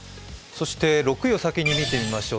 そして６位を先に見てみましょう。